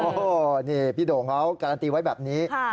โอ้โหนี่พี่โด่งเขาการันตีไว้แบบนี้